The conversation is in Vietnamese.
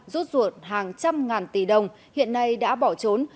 rút ruột hàng trăm ngàn tỷ đồng hiện nay đã bỏ trốn